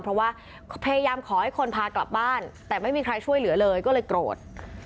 เพราะว่าพยายามขอให้คนพากลับบ้านแต่ไม่มีใครช่วยเหลือเลยก็เลยโกรธ